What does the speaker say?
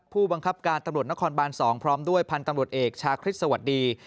ผู้บังคับการตำรวจนครบาน๒พร้อมด้วยพันธุ์ตำรวจเอกชาคริสสวัสดี